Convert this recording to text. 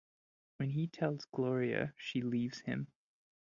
When he tells Gloria, she leaves him.